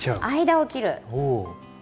間を切る。